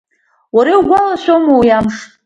Уара иугәалашәома уи амш?